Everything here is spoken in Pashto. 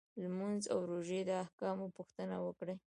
لمونځ او روژې د احکامو پوښتنه وکړي.